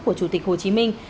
của chủ tịch hồ chí minh